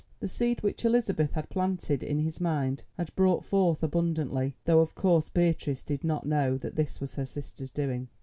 The seed which Elizabeth had planted in his mind had brought forth abundantly, though of course Beatrice did not know that this was her sister's doing.